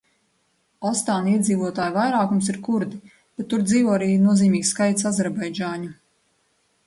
Ostāna iedzīvotāju vairākums ir kurdi, bet tur dzīvo arī nozīmīgs skaits azerbaidžāņu.